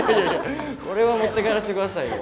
これは持って帰らせてくださいよ。